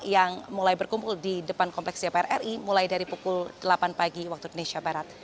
yang mulai berkumpul di depan kompleks dpr ri mulai dari pukul delapan pagi waktu indonesia barat